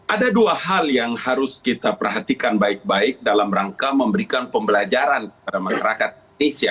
ada dua hal yang harus kita perhatikan baik baik dalam rangka memberikan pembelajaran kepada masyarakat indonesia